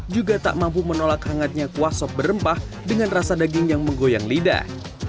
juga tak mampu menolak hangatnya kuah sop berempah dengan rasa daging yang menggoyang lidah